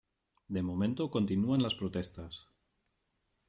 De momento, continúan las protestas.